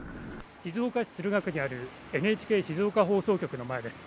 静岡市駿河区にあるＮＨＫ静岡放送局の前です。